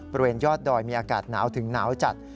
บริเวณยอดดอยมีอากาศหนาวถึงหนาวจัด